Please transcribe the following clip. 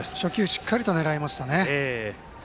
しっかりと狙いましたね。